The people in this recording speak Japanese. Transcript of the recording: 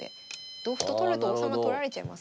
同歩と取ると王様取られちゃいます。